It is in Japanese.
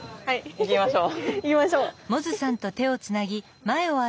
行きましょう。